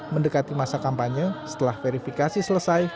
mendekati masa kampanye setelah verifikasi selesai